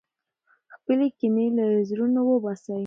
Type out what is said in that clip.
خپلې کینې له زړونو وباسئ.